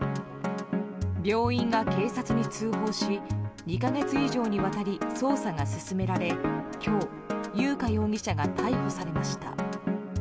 病院が警察に通報し２か月以上にわたり捜査が進められ、今日優花容疑者が逮捕されました。